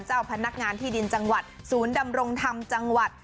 เจ้าพนักงานที่ดินจังหวัดศูนย์ดำรงธรรมจังหวัด